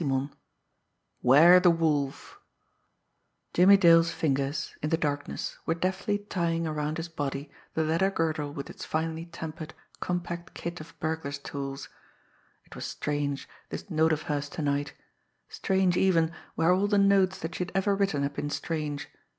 CHAPTER IX 'WARE THE WOLF Jimmie Dale's fingers, in the darkness, were deftly tying around his body the leather girdle with its finely tempered, compact kit of burglar's tools. It was strange, this note of hers to night strange, even, where all the notes that she had ever written had been strange!